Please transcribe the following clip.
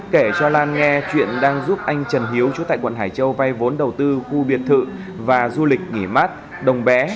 kể cho lan nghe chuyện đang giúp anh trần hiếu trú tại quận hải châu vay vốn đầu tư khu biệt thự và du lịch nghỉ mát đồng bé